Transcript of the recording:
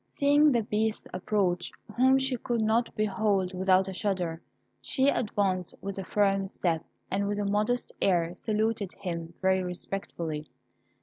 Seeing the Beast approach, whom she could not behold without a shudder, she advanced with a firm step, and with a modest air saluted him very respectfully.